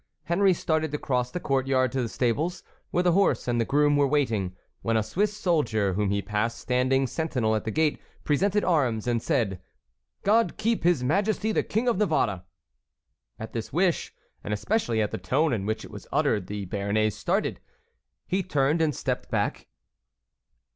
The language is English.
Henry started to cross the court yard to the stables where the horse and the groom were waiting, when a Swiss soldier whom he passed standing sentinel at the gate presented arms and said: "God keep his Majesty the King of Navarre." At this wish and especially at the tone in which it was uttered the Béarnais started. He turned and stepped back.